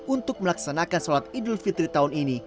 untuk melaksanakan sholat idul fitri tahun ini